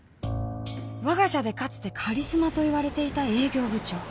我が社でかつてカリスマと言われていた営業部長。